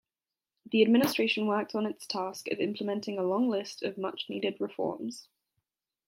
The administration worked on its task of implementing a long list of much-needed reforms.